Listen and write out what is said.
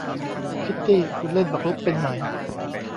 คิตตี้ คุณเล่นหมากรุกเป็นไหม ?